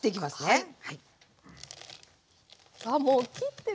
はい。